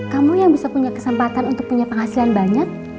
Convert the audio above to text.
kamu yang bisa punya kesempatan untuk punya penghasilan banyak